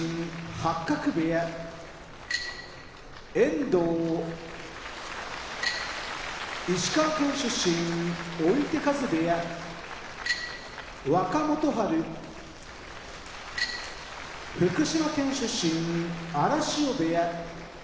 八角部屋遠藤石川県出身追手風部屋若元春福島県出身荒汐部屋